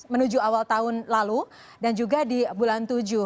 menuju awal tahun lalu dan juga di bulan tujuh